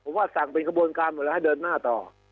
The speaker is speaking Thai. ผมว่าสั่งเป็นกระบวนการหมดแล้วให้เดินหน้าต่อ